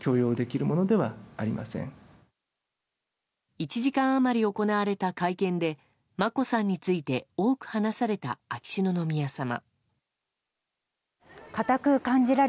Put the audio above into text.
１時間余り行われた会見で眞子さんについて多く話された秋篠宮さま。